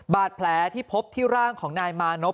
บาดแผลที่พบที่ร่างของนายมานพ